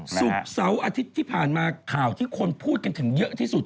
ศุกร์เสาร์อาทิตย์ที่ผ่านมาข่าวที่คนพูดกันถึงเยอะที่สุด